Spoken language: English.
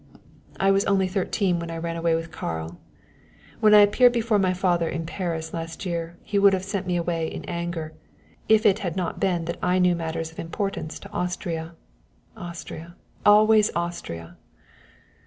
"I was only thirteen when I ran away with Karl. When I appeared before my father in Paris last year he would have sent me away in anger, if it had not been that I knew matters of importance to Austria Austria, always Austria!"